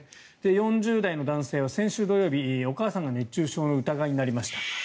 ４０代の男性は先週土曜日お母さんが熱中症の疑いになりました。